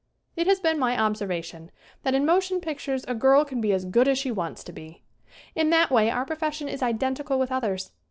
It has been my observation that in motion pictures a girl can be as good as she wants to be. In that way our profession is identical with others.